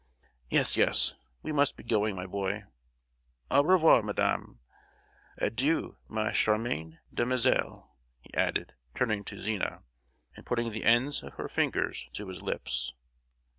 Yes, yes—we must be going, my boy! Au revoir, madame; adieu, ma charmante demoiselle" he added, turning to Zina, and putting the ends of her fingers to his lips.